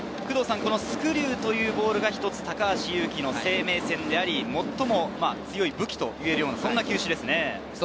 スクリューというボールが高橋優貴の生命線であり、最も強い武器といえる球種ですね。